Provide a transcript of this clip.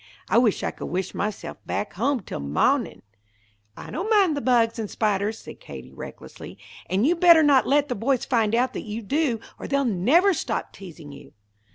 I wish I could wish myself back home till mawnin'." "I don't mind the bugs and spiders," said Katie, recklessly, "and you'd better not let the boys find out that you do, or they'll never stop teasing you."